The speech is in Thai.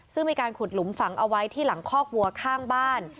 ซึ่งมีการขุดหลุมฝังเอาไว้ที่หลังคอกวัวข้างบ้าน